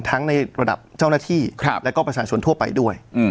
ทั้งในระดับเจ้าหน้าที่ครับแล้วก็ประสาทชวนทั่วไปด้วยอืม